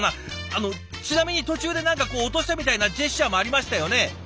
あのちなみに途中で何か落としたみたいなジェスチャーもありましたよね。